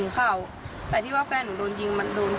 ก็คือน่าจะเป็นเรื่องกับหลวง